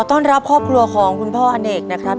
ต้อนรับครอบครัวของคุณพ่ออเนกนะครับ